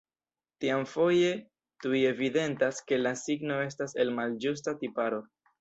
Tiam foje tuj evidentas, ke la signo estas el malĝusta tiparo.